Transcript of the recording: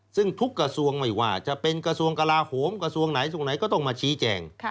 ซึ่งทุกกระทรวงไม่ว่าจะเป็นกระทรวงกลาโหมกระทรวงไหนทรงไหนก็ต้องมาชี้แจง